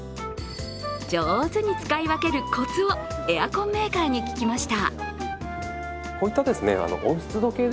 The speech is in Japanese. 上手に使い分けるコツをエアコンメーカーに聞きました。